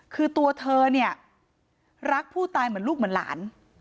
คือตัวเธอเนี่ยรักผู้ตายเหมือนลูกเหมือนหลาน